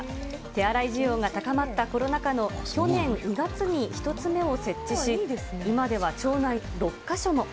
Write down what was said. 手洗い需要が高まったコロナ禍の去年２月に１つ目を設置し、今では町内に６か所も。